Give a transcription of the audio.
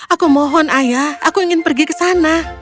aku mohon ayah aku ingin pergi ke sana